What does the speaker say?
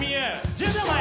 １０秒前。